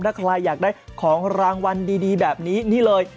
ถ้าใครอยากได้ของรางวัลดีแบบนี้นี่เลย